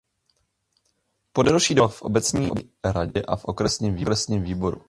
Po delší dobu zasedal v obecní radě a v okresním výboru.